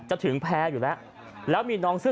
จะถึงแพ้อยู่แล้ว